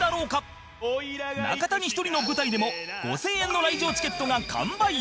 中谷１人の舞台でも５０００円の来場チケットが完売